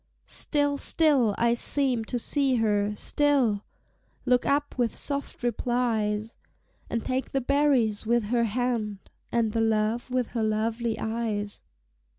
Still, still I seemed to see her, still Look up with soft replies, And take the berries with her hand, And the love with her lovely eyes.